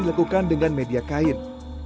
dilakukan dengan media kain